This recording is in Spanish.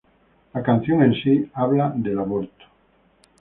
La canción en sí, habla del aborto.